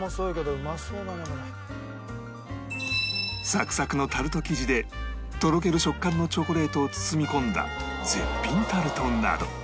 サクサクのタルト生地でとろける食感のチョコレートを包み込んだ絶品タルトなど